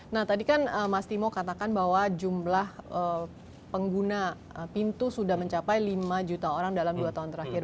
nah tadi kan mas timo katakan bahwa jumlah pengguna pintu sudah mencapai lima juta orang dalam dua tahun terakhir